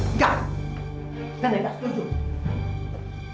enggak nenek gak setuju